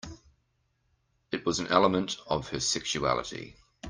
It was an element of her sexuality.